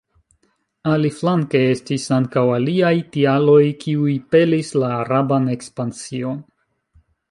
Aliflanke, estis ankaŭ aliaj tialoj kiuj pelis la araban ekspansion.